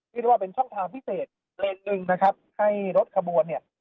หรือว่าเป็นช่องทางพิเศษหนึ่งนะครับให้รถขบวนเนี้ย